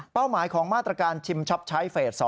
หมายของมาตรการชิมช็อปใช้เฟส๒